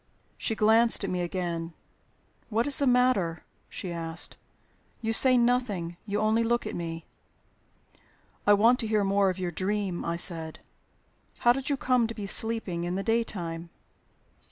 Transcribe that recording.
She glanced at me again. "What is the matter?" she asked. "You say nothing; you only look at me." "I want to hear more of your dream," I said. "How did you come to be sleeping in the daytime?"